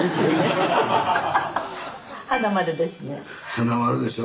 花丸でしょ。